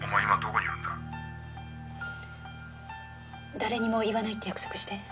誰にも言わないって約束して。